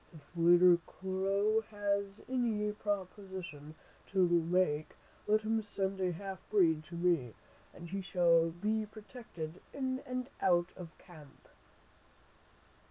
"If Little Crow has any proposition to make, let him send a half breed to me, and he shall be protected in and out of camp.